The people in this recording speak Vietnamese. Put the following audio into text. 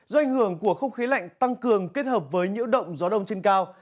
do ảnh hưởng của không khí lạnh tăng cường kết hợp với nhiễu động gió đông trên cao